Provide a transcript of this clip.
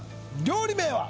料理名は？